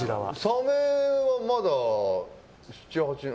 サメはまだ７８年前。